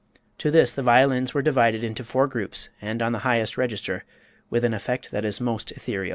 To this the violins are divided into four groups and on the highest register, with an effect that is most ethereal.